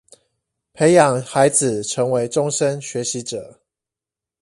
培養孩子成為終身學習者